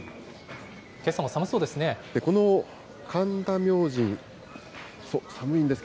けさも寒そうですね。